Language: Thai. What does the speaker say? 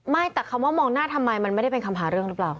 แต่คำว่ามองหน้าทำไมมันไม่ได้เป็นคำหาเรื่องหรือเปล่า